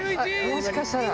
もしかしたら。